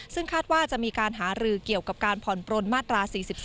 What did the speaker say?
ซึ่งคาดว่าจะมีการหารือเกี่ยวกับการผ่อนปลนมาตรา๔๔